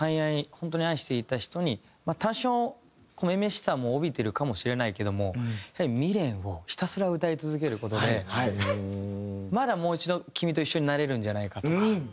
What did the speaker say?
本当に愛していた人に多少女々しさも帯びてるかもしれないけども未練をひたすら歌い続ける事でまだもう一度君と一緒になれるんじゃないかとか。